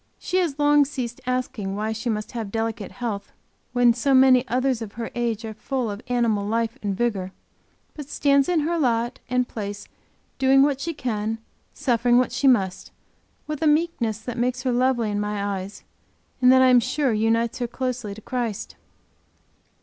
She has long ceased asking why she must have delicate health when so many others of her age are full of animal life and vigor but stands in her lot and place doing what she can, suffering what she must, with a meekness that makes her lovely in my eyes, and that I am sure unites her closely to Christ.